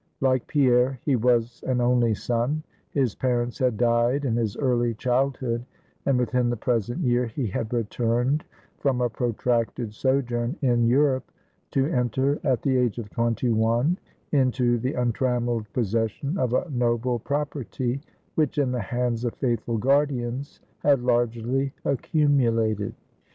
Like Pierre, he was an only son; his parents had died in his early childhood; and within the present year he had returned from a protracted sojourn in Europe, to enter, at the age of twenty one, into the untrammeled possession of a noble property, which in the hands of faithful guardians, had largely accumulated.